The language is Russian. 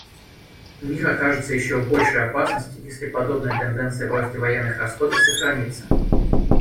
Мир окажется еще в большей опасности, если подобная тенденция в росте военных расходов сохранится.